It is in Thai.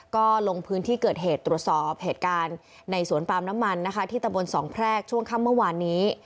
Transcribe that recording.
ก็ลงพื้นที่เกิดเหตุตรวจสอบเหตุการณ์ในสวนปาล์มน้ำมันนะคะที่ตะบนสองแพรกช่วงค่ำเมื่อวานนี้